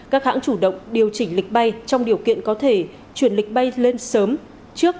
các hãng chủ động điều chỉnh lịch bay trong điều kiện có thể chuyển lịch bay lên sớm trước